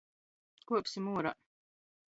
Kuopsim uorā!